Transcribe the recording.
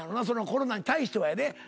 そのコロナに対してはやで。